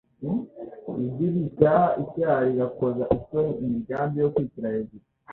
Ijwi ricyaha icyaha, rigakoza isoni imigambi yo kwishyira hejuru